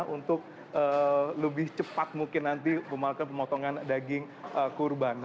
untuk lebih cepat mungkin nanti memotongan daging kurban